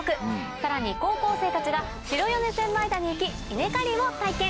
さらに高校生たちが白米千枚田に行き稲刈りを体験。